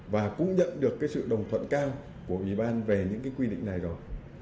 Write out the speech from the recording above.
và cũng nhận được cái sự đồng thuận cao của ủy ban về những cái quy định này rồi